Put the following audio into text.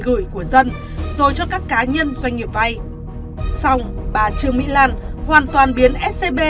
gửi của dân rồi cho các cá nhân doanh nghiệp vay xong bà trương mỹ lan hoàn toàn biến scb